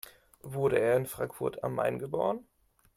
Wurde er in Frankfurt am Main geboren?